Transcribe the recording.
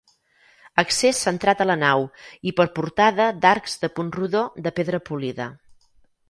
Accés centrat a la nau, i per portada d'arcs de punt rodó de pedra polida.